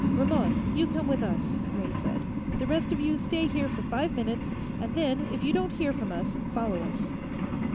"Ramon, you come with us," Ray said. "The rest of you, stay here for five minutes, and then, if you don't hear from us, follow us."